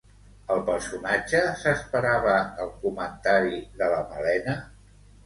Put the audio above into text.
El personatge s'esperava el comentari de la Malena?